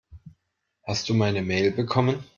Hast du meine Mail bekommen?